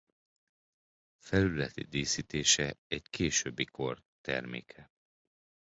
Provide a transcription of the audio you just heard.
Felületi díszítése egy későbbi kor terméke.